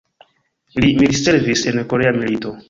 Li militservis en Korea milito.